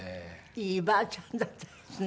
いいばあちゃんだったんですね。